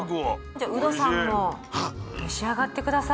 じゃあウドさんも召し上がって下さい。